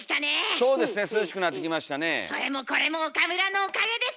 それもこれも岡村のおかげです！